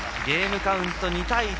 ゲームカウント２対１。